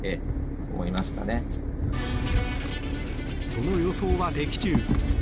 その予想は的中。